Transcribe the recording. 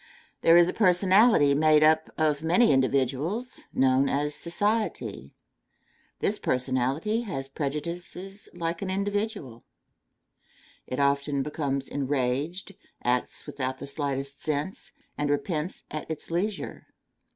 There is a personality made up of many individuals known as society. This personality has prejudices like an individual. It often becomes enraged, acts without the slightest sense, and repents at its leisure.